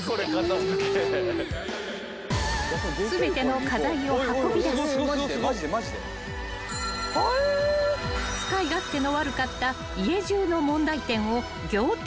［全ての家財を運び出し使い勝手の悪かった家中の問題点を］